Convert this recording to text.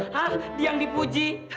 hah yang dipuji